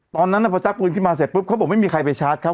ตอนนั้นพอชักปืนขึ้นมาเสร็จปุ๊บเขาบอกไม่มีใครไปชาร์จเขา